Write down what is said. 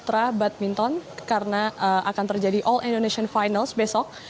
setelah batminton karena akan terjadi all indonesian finals besok